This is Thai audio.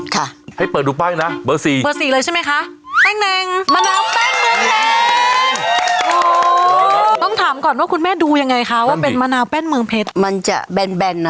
คุณแม่จับเบอร์๔